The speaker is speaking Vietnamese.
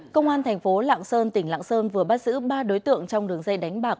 công an thành phố lạng sơn tỉnh lạng sơn vừa bắt giữ ba đối tượng trong đường dây đánh bạc